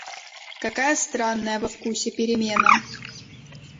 Какая странная во вкусе перемена!